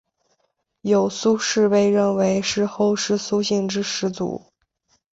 有苏氏被认为是后世苏姓之始祖。